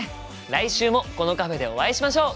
来週もこのカフェでお会いしましょう！